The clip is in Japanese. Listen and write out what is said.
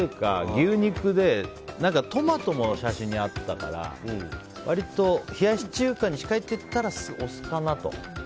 牛肉でトマトも写真にあったから冷やし中華に近いっていったらお酢かなと。